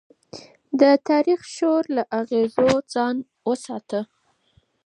ده د تاريخي شور له اغېزو ځان وساته.